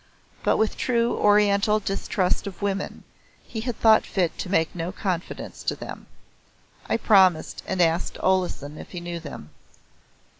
But with true Oriental distrust of women he had thought fit to make no confidence to them. I promised and asked Olesen if he knew them.